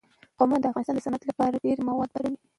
قومونه د افغانستان د صنعت لپاره ډېر مواد برابروي.